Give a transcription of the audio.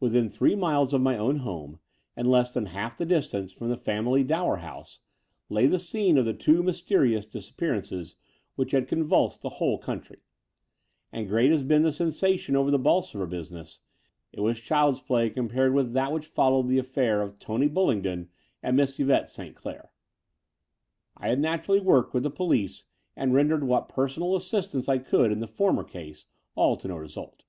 Within three miles of my own home, and less than half the distance from the family Dower House, lay the scene of the two mysterious dis appearances which had convulsed the whole coimtry : and, great as had been the sensation over the Bolsover business, it was child's play com pared with that which followed the aflEair of Tony Bullingdon and Miss Yvette St. Clair. I had naturally worked with the police and rendered what personal assistance I could in the former case, all to no result.